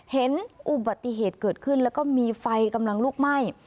เห็นอุบัติเหตุเกิดขึ้นแล้วก็มีไฟกำลังลุกไหม้